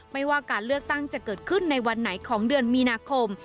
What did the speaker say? ไม่ว่าการเลือกตั้งจะเกิดขึ้นในวันไหนของเดือนมีนาคม